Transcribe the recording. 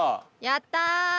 やった！